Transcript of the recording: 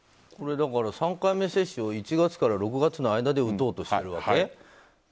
だから３回目接種を１月から６月の間で打とうとしてるわけ？